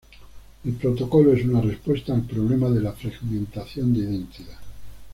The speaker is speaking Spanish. El protocolo es una respuesta al problema de la fragmentación de identidad.